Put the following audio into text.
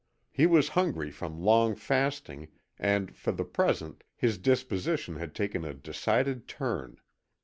He was hungry from long fasting and, for the present, his disposition had taken a decided turn.